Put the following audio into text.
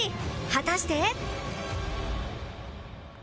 果たして